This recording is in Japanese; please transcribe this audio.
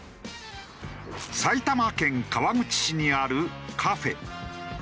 埼玉県川口市にあるカフェ。